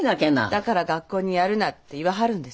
だから学校にやるなって言わはるんですか？